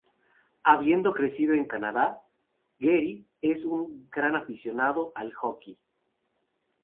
Habiendo crecido en Canadá, Gehry es un gran aficionado al hockey.